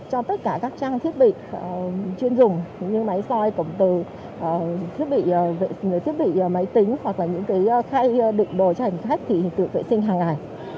hàng ngày hàng tuần thì cảng cũng đã có những kế hoạch thử khuẩn cho tất cả các trang thiết bị chuyên dùng như máy soi cổng từ thiết bị máy tính hoặc là những cái khay định đồ cho hành khách thì tự vệ sinh hàng ngày